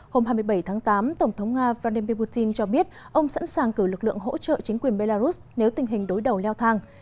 hôm hai mươi bảy tháng tám tổng thống nga vladimir putin cho biết ông sẵn sàng cử lực lượng hỗ trợ chính quyền belarus nếu tình hình đối đầu leo thang